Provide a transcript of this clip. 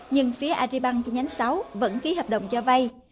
nhưng phía agribank chi nhánh sáu vẫn ký hợp đồng cho vây